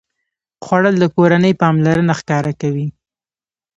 خوړل د کورنۍ پاملرنه ښکاره کوي